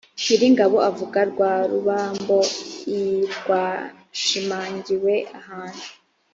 nyir ingabo avuga rwa rubambo l rwashimangiwe ahantu